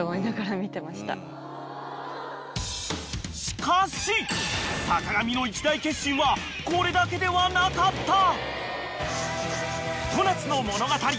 ［しかし坂上の一大決心はこれだけではなかった！］